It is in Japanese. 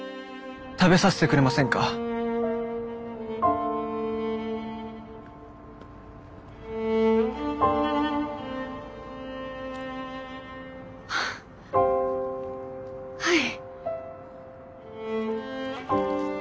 食べさせてくれませんか？ははい。